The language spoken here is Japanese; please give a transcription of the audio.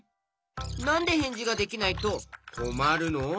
なんでへんじができないとこまるの？